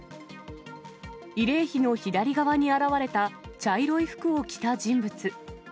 慰霊碑の左側に現れた茶色い服を着た人物。